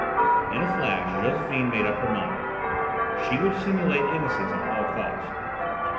In a flash Josephine made up her mind. She would simulate innocence at all costs.